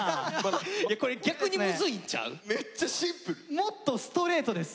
もっとストレートです。